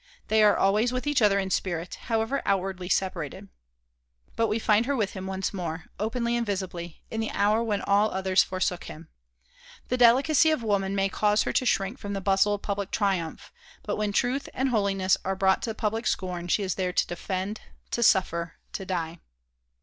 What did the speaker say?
They are always with each other in spirit, however outwardly separated. But we find her with him once more, openly and visibly, in the hour when all others forsook him. The delicacy of woman may cause her to shrink from the bustle of public triumph, but when truth and holiness are brought to public scorn she is there to defend, to suffer, to die.